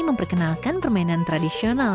memperkenalkan permainan tradisional